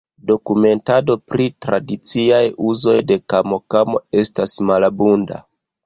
Dokumentado pri tradiciaj uzoj de kamokamo estas malabunda.